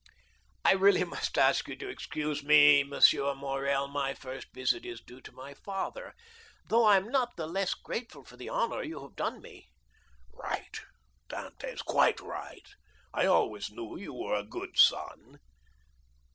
"I really must ask you to excuse me, M. Morrel. My first visit is due to my father, though I am not the less grateful for the honor you have done me." 0029m "Right, Dantès, quite right. I always knew you were a good son."